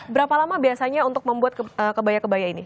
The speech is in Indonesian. berapa lama biasanya untuk membuat kebaya kebaya ini